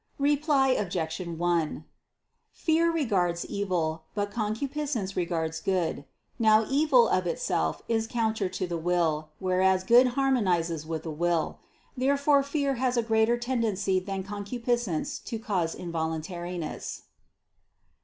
Reply Obj. 1: Fear regards evil, but concupiscence regards good. Now evil of itself is counter to the will, whereas good harmonizes with the will. Therefore fear has a greater tendency than concupiscence to cause involuntariness.